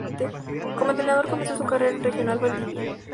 Como entrenador comenzó su carrera en Regional Valdivia.